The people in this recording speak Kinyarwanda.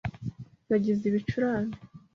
Nagize ibicurane.